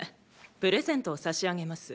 プレゼントを差し上げます。